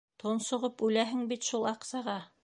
Тонсоғоп үләһең бит шул аҡсаға!